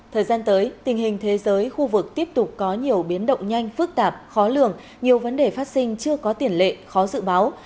thời gian tới tình hình thế giới khu vực tiếp tục có nhiều biến động nhanh phức tạp khó lường nhiều vấn đề phát sinh chưa có tiền lệ khó dự báo